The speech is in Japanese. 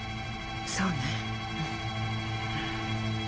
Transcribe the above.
そうね。